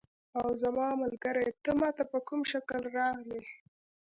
اوه زما ملګری، ته ما ته په کوم شکل راغلې؟